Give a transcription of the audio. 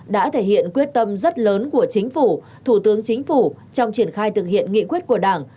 đã thể hiện quyết tâm rất lớn của chính phủ thủ tướng chính phủ trong triển khai thực hiện nghị quyết của đảng